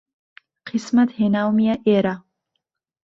قیسمەت هێناومیه ئیره